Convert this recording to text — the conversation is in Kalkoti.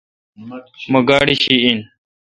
مہ گاڑی شی این۔